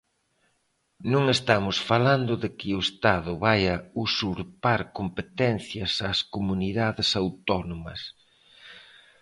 Non estamos falando de que o Estado vaia usurpar competencias ás comunidades autónomas.